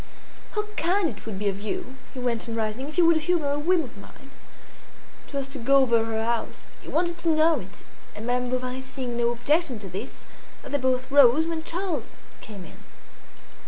"How kind it would be of you," he went on, rising, "if you would humour a whim of mine." It was to go over her house; he wanted to know it; and Madame Bovary seeing no objection to this, they both rose, when Charles came in.